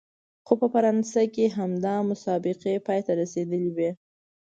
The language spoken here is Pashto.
خو په فرانسه کې همدا مسابقې پای ته رسېدلې وې.